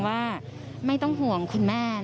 ว่าไม่ต้องห่วงคุณแม่